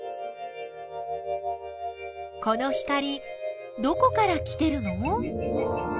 この光どこから来てるの？